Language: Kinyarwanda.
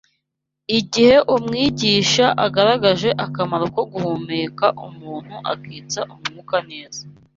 Igihe umwigisha agaragaje akamaro ko guhumeka umuntu akitsa umwuka neza